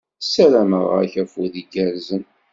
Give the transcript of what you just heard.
Ssarameɣ-ak afud igerrzen.